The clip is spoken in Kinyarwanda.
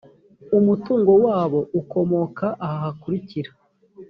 umutungo wabo ukomoka aha hakurikira